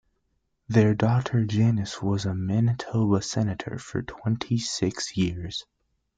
Their daughter Janis was a Manitoba senator for twenty six years.